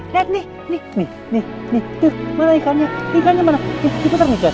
sama aku ina